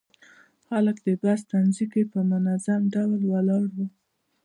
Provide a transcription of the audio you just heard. خلک د بس تمځي کې په منظم ډول ولاړ وو.